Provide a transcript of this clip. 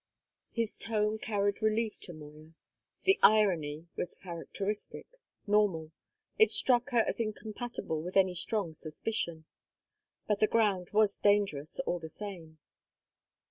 His tone carried relief to Moya. The irony was characteristic, normal. It struck her as incompatible with any strong suspicion. But the ground was dangerous all the same.